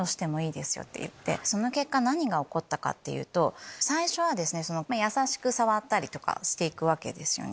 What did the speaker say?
その結果何が起こったかっていうと最初は優しく触ったりして行くわけですよね。